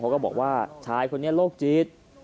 เขาก็บอกว่าชายคนนี้โรคจิต